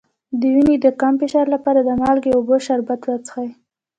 د وینې د کم فشار لپاره د مالګې او اوبو شربت وڅښئ